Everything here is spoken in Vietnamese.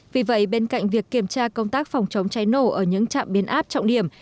vì vậy bên cạnh việc kiểm tra công tác phòng chống cháy nổ ở những trạm biến áp trọng điểm